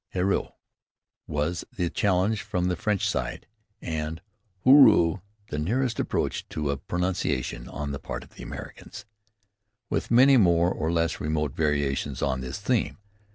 "Heureux" was the challenge from the French side, and "Hooroo" the nearest approach to a pronunciation on the part of the Americans, with many more or less remote variations on this theme.